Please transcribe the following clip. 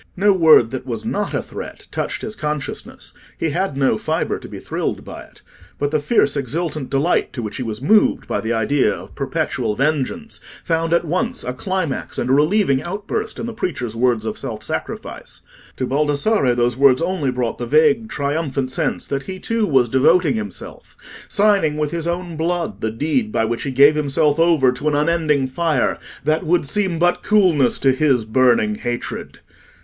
No word that was not a threat touched his consciousness; he had no fibre to be thrilled by it. But the fierce exultant delight to which he was moved by the idea of perpetual vengeance found at once a climax and a relieving outburst in the preacher's words of self sacrifice. To Baldassarre those words only brought the vague triumphant sense that he too was devoting himself—signing with his own blood the deed by which he gave himself over to an unending fire, that would seem but coolness to his burning hatred.